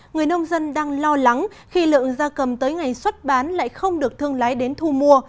người nông dân đang lo lắng khi lượng da cầm tới ngày xuất bán lại không được thương lái đến thu mua